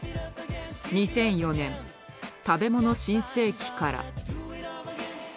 ２００４年「たべもの新世紀」から。